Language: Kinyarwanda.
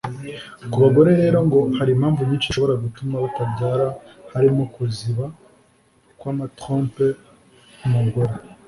Ku bagore rero ngo hari impamvu nyinshi zishobora gutuma batabyara harimo kuziba kw’amatrompe y’umugore